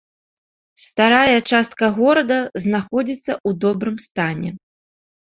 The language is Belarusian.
Старая частка горада знаходзіцца ў добрым стане.